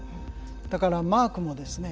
だからマークもですね